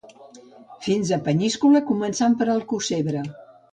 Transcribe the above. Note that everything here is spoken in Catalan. Fins a Penyíscola, començant a Alcossebre.